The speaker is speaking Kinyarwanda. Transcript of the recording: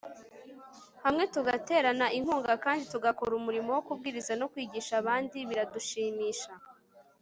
hamwe tugaterana inkunga kandi tugakora umurimo wo kubwiriza no kwigisha abandi biradushimisha